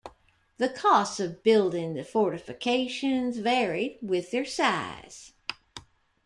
The costs of building the fortifications varied with their size.